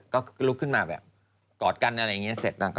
ก็ลุกขึ้นมาแบบกอดกันอะไรอย่างนี้เสร็จ